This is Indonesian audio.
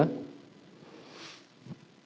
sudara saksi ya